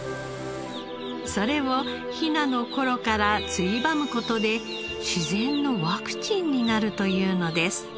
それをひなの頃からついばむ事で自然のワクチンになるというのです。